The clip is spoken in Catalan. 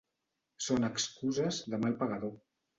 Són excuses de mal pagador.